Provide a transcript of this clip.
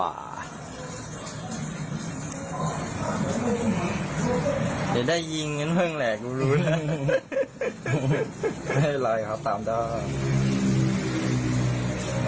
เดี๋ยวได้ยิงกันเพิ่งแหลกรู้แล้วไม่เป็นไรครับตามได้